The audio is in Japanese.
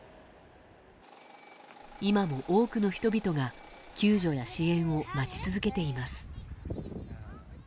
今も多くの人々が救助や支援を待ち続けています。